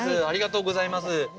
ありがとうございます。